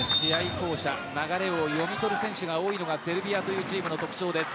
流れを呼び込む選手が多いのがセルビアというチームの特徴です。